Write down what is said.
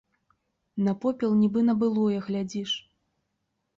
На попел, нібы на былое, глядзіш.